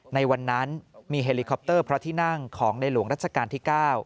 ในวันนั้นมีเฮลิคอปเตอร์พระที่นั่งของในหลวงรัชกาลที่๙